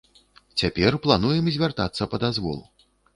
Цяпер плануем звяртацца па дазвол.